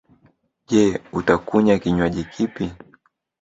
Je, utakunya kinwaji kipi?